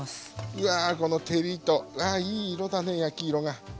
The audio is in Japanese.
うわこの照りとああいい色だね焼き色が。